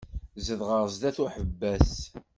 Zedɣeɣ sdat uḥebbas.